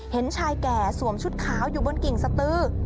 เห็นชายแก่สวมชุดขาวอยู่บนกิ่งสตือ